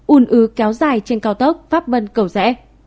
un ứ kéo dài trên cao tốc pháp vân cầu rẽ